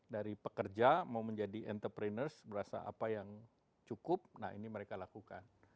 dari pekerja mau menjadi entrepreneurs berasa apa yang cukup nah ini mereka lakukan